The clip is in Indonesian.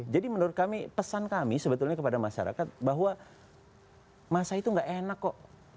jadi menurut kami pesan kami sebetulnya kepada masyarakat bahwa masa itu nggak enak kok